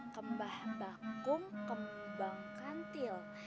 kembang bakung kembang kantil